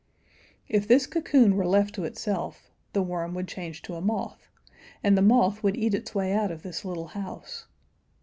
If this cocoon were left to itself, the worm would change to a moth, and the moth would eat its way out of this little house.